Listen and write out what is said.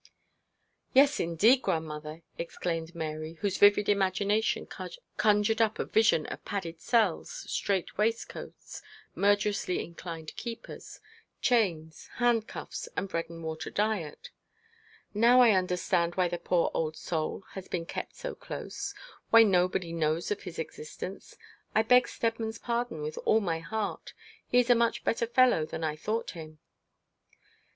'Yes, indeed, grandmother,' exclaimed Mary, whose vivid imagination conjured up a vision of padded cells, strait waist coats, murderously inclined keepers, chains, handcuffs, and bread and water diet, 'now I understand why the poor old soul has been kept so close why nobody knows of his existence. I beg Steadman's pardon with all my heart. He is a much better fellow than I thought him.'